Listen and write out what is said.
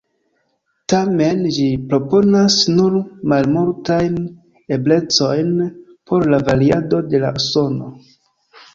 Tamen ĝi proponas nur malmultajn eblecojn por la variado de la sono.